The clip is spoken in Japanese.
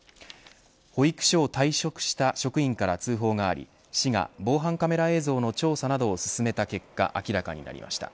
保育所を退職した職員から通報があり市が防犯カメラ映像の調査などを進めた結果明らかになりました。